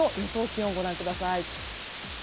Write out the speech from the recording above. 気温ご覧ください。